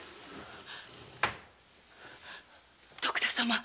徳田様！